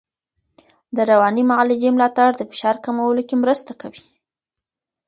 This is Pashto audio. د رواني معالجې ملاتړ د فشار کمولو کې مرسته کوي.